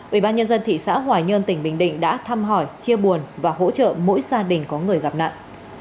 ubnd thị xã hòa nhơn tỉnh bình định đã thăm hỏi chia buồn và hỗ trợ mỗi gia đình có người gặp nạn